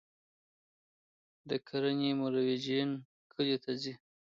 د کرنې مرویجین کلیو ته ځي